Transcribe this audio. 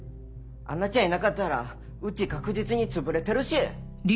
アンナちゃんいなかったらうち確実につぶれてるし！